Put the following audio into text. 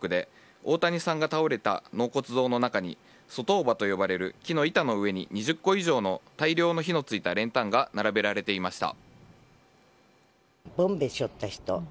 大谷さんが倒れた納骨堂の中に卒塔婆と呼ばれる木の板の上に２０個以上の大量の火のついた練炭が並べられていました。